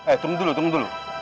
eh tunggu dulu tunggu dulu